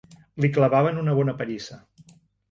Li clavaven una bona pallissa.